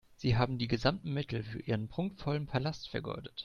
Sie haben die gesamten Mittel für Ihren prunkvollen Palast vergeudet.